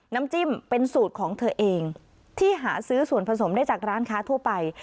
น้ำจิ้มเป็นสูตรของเธอเองที่หาซื้อส่วนผสมได้จากร้านค้าทั่วไป